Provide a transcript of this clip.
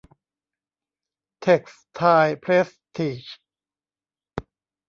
เท็กซ์ไทล์เพรสทีจ